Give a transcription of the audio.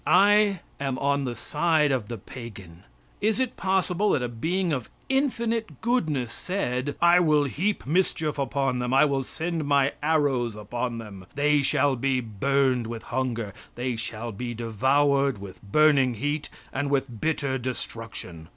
I am on the side of the pagan. Is it possible that a being of infinite goodness said: "I will heap mischief upon them; I will send My arrows upon them. They shall be burned with hunger; they shall be devoured with burning heat and with bitter destruction.